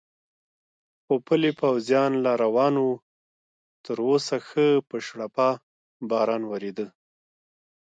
خو پلی پوځیان لا روان و، تراوسه ښه په شړپا باران ورېده.